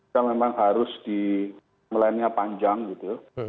kita memang harus di melainnya panjang gitu